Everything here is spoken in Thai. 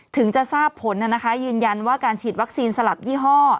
ถึงจะทราบผลยืนยันว่าการฉีดวัคซีนสลับยี่ห้อ